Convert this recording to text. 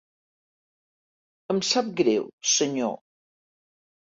Em sap greu, senyor.